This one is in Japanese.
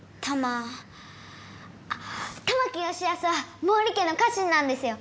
あっ玉木吉保は毛利家の家臣なんですよ。